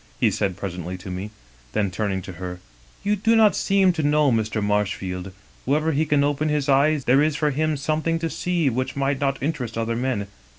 he said presently to me. Then, turning to her: " *You do not seem to know Mr. Marshfield. Wherever he can open his eyes there is for him something to see which might not interest other men.